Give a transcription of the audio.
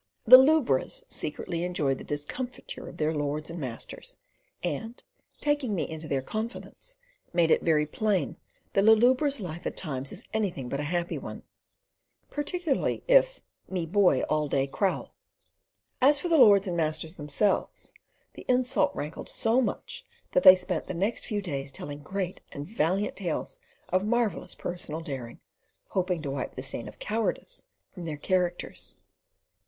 The lubras secretly enjoyed the discomfiture of their lords and masters, and taking me into their confidence, made it very plain that a lubra's life at times is anything but a happy one; particularly if "me boy all day krowl (growl)." As for the lords and masters themselves, the insult rankled so that they spent the next few days telling great and valiant tales of marvellous personal daring, hoping to wipe the stain of cowardice from their characters.